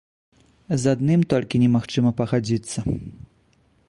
З адным толькі немагчыма пагадзіцца.